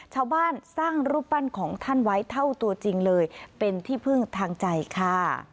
สร้างรูปปั้นของท่านไว้เท่าตัวจริงเลยเป็นที่พึ่งทางใจค่ะ